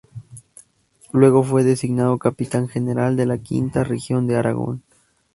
Luego fue designado Capitán General de la Quinta Región de Aragón.